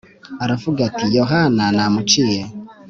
aravuga ati Yohana namuciye